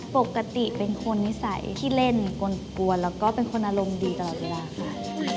ปกติเป็นคนนิสัยขี้เล่นกลวนแล้วก็เป็นคนอารมณ์ดีตลอดเวลาค่ะ